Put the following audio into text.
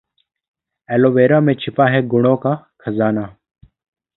aloe vera में छिपा है गुणों का खजाना